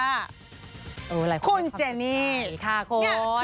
คุณเจนี่ค่ะโคตรคุณเจนี่ค่ะโคตร